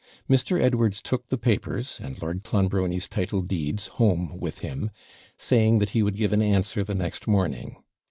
Mr. Edwards took the papers and Lord Clonbrony's title deeds home with him, saying that he would give an answer the next morning.